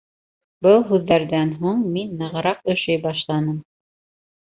Был һүҙҙәрҙән һуң мин нығыраҡ өшөй башланым.